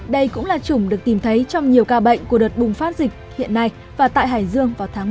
đây cũng là chủng được tìm thấy trong nhiều ca bệnh của đợt bùng phát dịch hiện nay và tại hải dương vào tháng bảy năm hai nghìn hai mươi